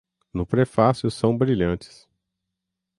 no Prefácio, são brilhantes